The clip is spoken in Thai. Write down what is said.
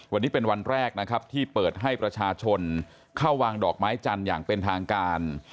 วันนี้เป็นวันแรกนะครับที่เปิดให้ประชาชนเข้าวางดอกไม้จันทร์อย่างเป็นทางการ